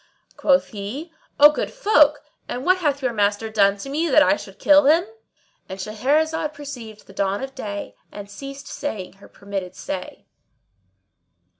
Quoth he, "O good folk, and what hath your master done to me that I should kill him?"— And Shahrazad perceived the dawn of day and ceased saying her permitted say.